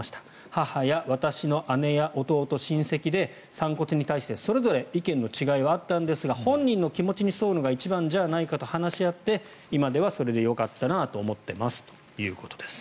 母や私の姉や弟、親戚で散骨に対して、それぞれ意見の違いはあったんですが本人の気持ちに沿うのが一番じゃないかと話し合って今ではそれでよかったなと思っていますということです。